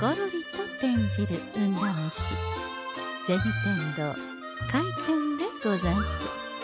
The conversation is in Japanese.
天堂開店でござんす。